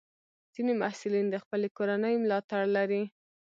ځینې محصلین د خپلې کورنۍ ملاتړ لري.